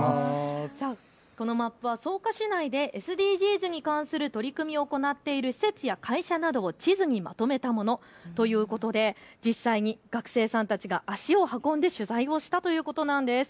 このマップは草加市内でＳＤＧｓに関する取り組みを行っている施設や会社などを地図にまとめたものということで実際に学生さんたちが足を運んで取材をしたということなんです。